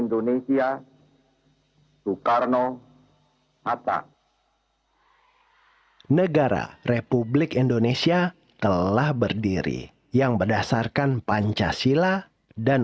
indonesia soekarno hatta negara republik indonesia telah berdiri yang berdasarkan pancasila dan